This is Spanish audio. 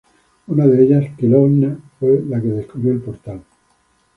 Unas de ellas, Kelowna, fue la que descubrió el Portal.